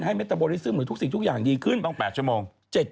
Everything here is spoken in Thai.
เมตะบริซึมหรือทุกสิ่งทุกอย่างดีขึ้นต้อง๘ชั่วโมง